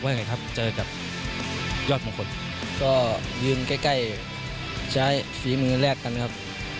ไปปลายเราอาจพลิกเกมได้ครับ